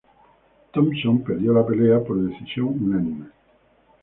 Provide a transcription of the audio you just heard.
Thompson perdió la pelea por decisión unánime.